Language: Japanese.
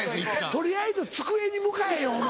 取りあえず机に向かえよお前！